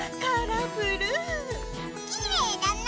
きれいだな！